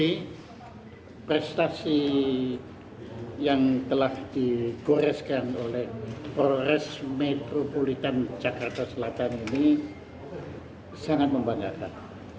prestasi yang telah digoreskan oleh polres metropolitan jakarta selatan ini sangat membanggakan